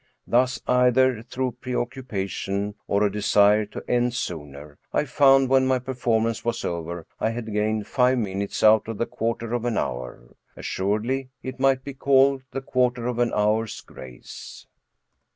Thus, either through preoccupation or a desire to end sooner, I found when my performance was over I had gained five minutes out of the quarter of an hour. Assuredly, it might be called the quarter of an hour's grace.